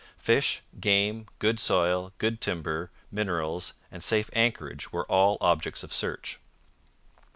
Fish, game, good soil, good timber, minerals, and safe anchorage were all objects of search.